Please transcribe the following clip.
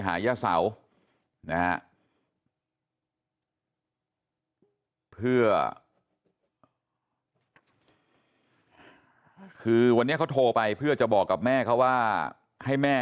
ย่าเสานะฮะเพื่อคือวันนี้เขาโทรไปเพื่อจะบอกกับแม่เขาว่าให้แม่